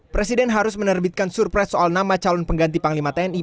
presiden harus menerbitkan surprise soal nama calon pengganti panglima tni